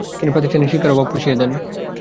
তিনি প্রাতিষ্ঠানিক শিক্ষার অভাব পুষিয়ে দেন।